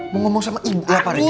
mau ngomong sama ibu lah pak regar